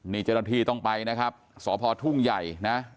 นี่เจ้าหน้าที่ต้องไปนะครับสพทุ่งใหญ่นะ